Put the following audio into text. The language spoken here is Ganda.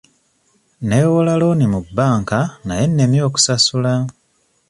Neewola looni mu banka naye ennemye okusasula.